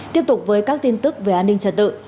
tiếp tục với các tin tức về an ninh trật tự